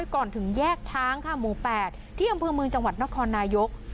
ก่อนถึงแยกช้างค่ะหมู่๘ที่อำเภอเมืองจังหวัดนครนายก